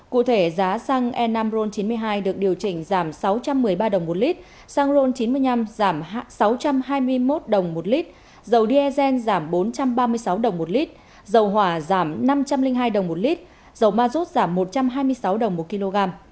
cụ thể giá xăng e năm ron chín mươi hai được điều chỉnh giảm sáu trăm một mươi ba đồng một lít xăng ron chín mươi năm giảm sáu trăm hai mươi một đồng một lít dầu diesel giảm bốn trăm ba mươi sáu đồng một lít dầu hỏa giảm năm trăm linh hai đồng một lít dầu ma rút giảm một trăm hai mươi sáu đồng một kg